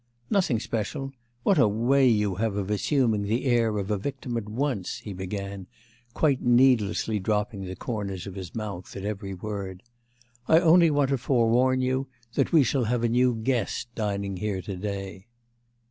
'Nothing special; what a way you have of assuming the air of a victim at once!' he began, quite needlessly dropping the corners of his mouth at every word. 'I only want to forewarn you that we shall have a new guest dining here to day.